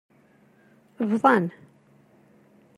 Bḍan.